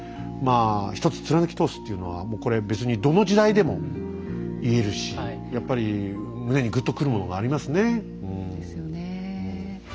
まあ１つ貫き通すっていうのはこれ別にどの時代でも言えるしやっぱり胸にぐっとくるものがありますねうん。